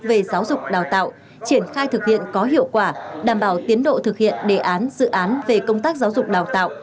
về giáo dục đào tạo triển khai thực hiện có hiệu quả đảm bảo tiến độ thực hiện đề án dự án về công tác giáo dục đào tạo